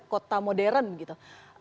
kota modern gitu